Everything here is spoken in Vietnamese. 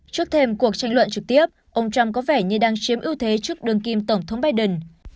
trước thêm cuộc tranh luận trực tiếp ông trump có vẻ như đang chiếm ưu thế trước đương kim tổng thống biden